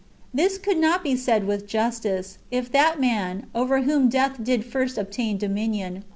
^ This could not be said with justice, if that man, over whom death did first obtain dominion, were 1 Rom.